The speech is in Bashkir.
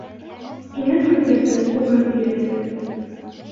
Һинең фатирҙы уға бирербеҙ.